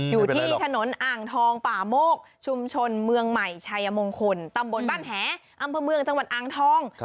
อยู่ที่ถนนอ่างทองป่าโมกชุมชนเมืองใหม่ชัยมงคลตำบลบ้านแหอำเภอเมืองจังหวัดอ่างทอง